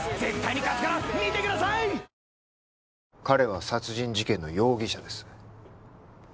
彼は殺人事件の容疑者です